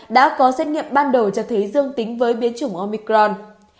đã có xét nghiệm ban đầu cho thấy dương tính với biến chủng omicron